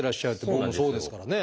僕もそうですからね。